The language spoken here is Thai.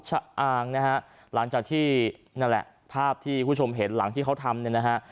อางนะฮะหลังจากที่นั่นแหละภาพที่คุณผู้ชมเห็นหลังที่เขาทำเนี่ยนะฮะ